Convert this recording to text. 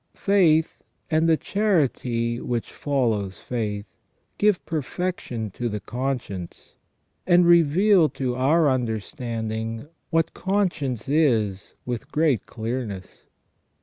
Faith, and the charity which follows faith, give perfection to the conscience, and reveal to our understanding what conscience is with great clearness.